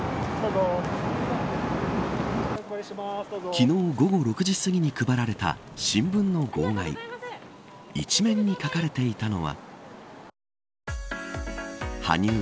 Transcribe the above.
昨日午後６時すぎに配られた新聞の号外一面に書かれていたのは。